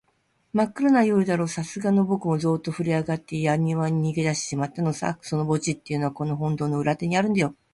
まっくらな夜だろう、さすがのぼくもゾーッとふるえあがって、やにわに逃げだしてしまったのさ。その墓地っていうのは、この本堂の裏手にあるんだよ。